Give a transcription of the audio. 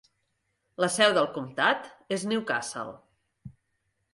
La seu del comtat és Newcastle.